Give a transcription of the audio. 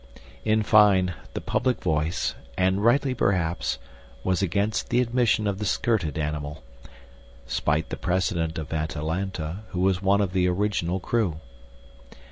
In fine, the public voice and rightly, perhaps was against the admission of the skirted animal: spite the precedent of Atalanta, who was one of the original crew.